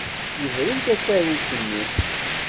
Yebren tasarut-nni.